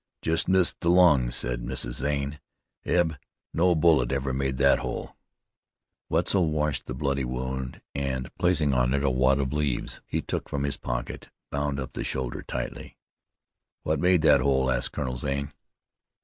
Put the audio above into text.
"Just missed the lung," said Mrs. Zane. "Eb, no bullet ever made that hole." Wetzel washed the bloody wound, and, placing on it a wad of leaves he took from his pocket, bound up the shoulder tightly. "What made that hole?" asked Colonel Zane.